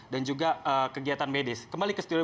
dan juga kegiatan medis kembali ke studio